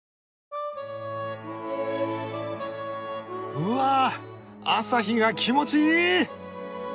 うわぁ朝日が気持ちいい！